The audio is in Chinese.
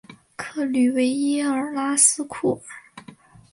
克吕维耶尔拉斯库尔。